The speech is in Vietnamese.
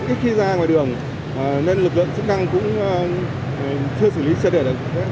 ít khi ra ngoài đường nên lực lượng sức năng cũng chưa xử lý chưa thể được